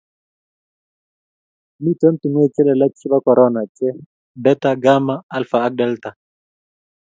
mito tunguik che lelach chebo korona che ; Beta, Gamma , Alpha ak Delta.